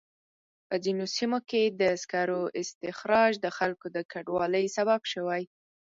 په ځینو سیمو کې د سکرو استخراج د خلکو د کډوالۍ سبب شوی.